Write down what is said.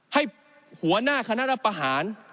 ให้หัวหน้าคณะรับประหาร